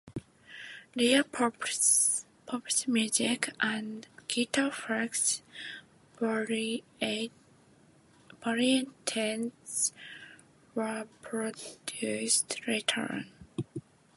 Rarer "Pop'n Music" and "GuitarFreaks" variants were produced later on.